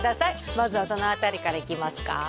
まずはどの辺りからいきますか？